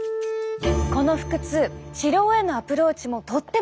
この腹痛治療へのアプローチもとっても不思議！